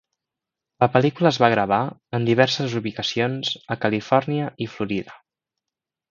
La pel·lícula es va gravar en diverses ubicacions a Califòrnia i Florida.